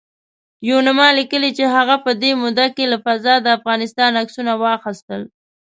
یوناما لیکلي چې هغه په دې موده کې له فضا د افغانستان عکسونه واخیستل